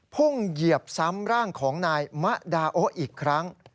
เหยียบซ้ำร่างของนายมะดาโออีกครั้ง